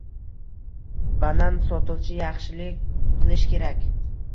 Banan sotuvchi yaxshilik qilish kerak.